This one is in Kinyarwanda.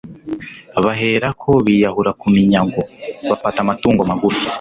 baherako biyahura ku minyago. bafata amatungo magufi